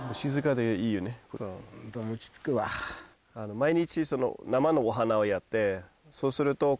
毎日。